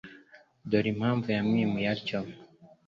dore impamvu yamwimuye atyo